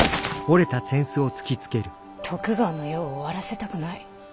徳川の世を終わらせたくない。